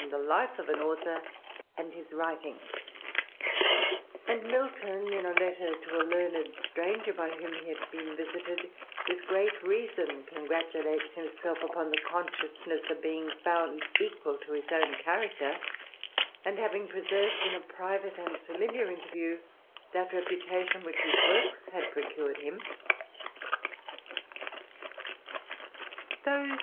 25 1 the life of an author and his writings ; and Milton, ter to a learned stranger, by whom he had been with great reason congratulates himself upon the usness of being found equal to his own character, ving preserved in a private and familiar interview, mutation which his works had procured him.